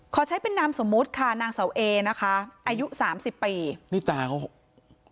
ขอใช้เป็นนามสมมุติค่ะนางเสาเอนะคะอายุสามสิบปีนี่ตาเขา